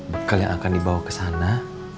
bekal yang akan dibawa kesana